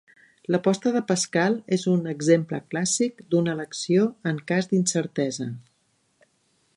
L'aposta de Pascal és un exemple clàssic d'una elecció en cas d'incertesa.